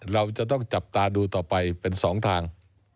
เราจะต้องจับตาดูต่อไปเป็น๒ทาง